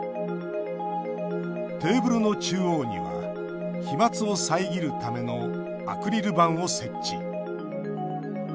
テーブルの中央には飛まつを遮るためのアクリル板を設置。